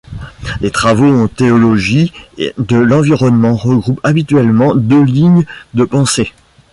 Les travaux en théologie de l'environnement regroupent habituellement deux lignes de pensée.